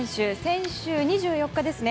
先週２４日ですね